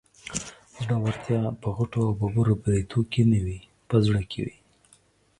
زړورتيا په غټو او ببرو برېتو کې نه وي، په زړه کې وي